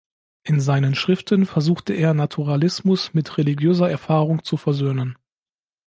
In seinen Schriften versuchte er Naturalismus mit religiöser Erfahrung zu versöhnen.